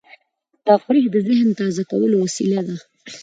تفریح د ذهن تازه کولو وسیله ده.